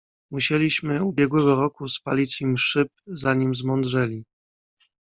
"Musieliśmy ubiegłego roku spalić im szyb, zanim zmądrzeli."